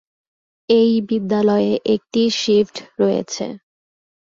এই বিদ্যালয়ে একটি শিফট রয়েছে।